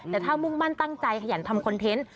แต่ถ้ามุ่งมั่นตั้งใจขยันทำคอนเทนต์